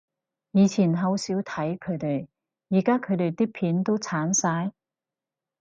以前好少睇佢哋，而家佢哋啲片都剷晒？